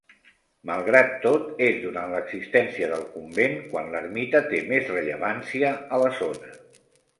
Malgrat tot, és durant l'existència del convent quan l'ermita té més rellevància a la zona.